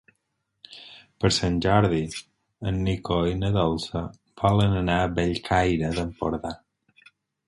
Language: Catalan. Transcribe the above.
Per Sant Jordi en Nico i na Dolça volen anar a Bellcaire d'Empordà.